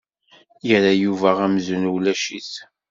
Yerra Yuba amzun ulac-it.